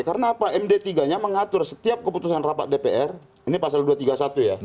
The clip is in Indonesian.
karena apa md tiga nya mengatur setiap keputusan rapat dpr ini pasal dua ratus tiga puluh satu ya